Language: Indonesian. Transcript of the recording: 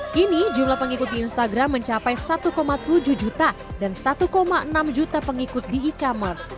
kini jumlah pengikut di instagram mencapai satu tujuh juta dan satu enam juta pengikut di e commerce